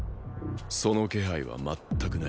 その気配は全くない。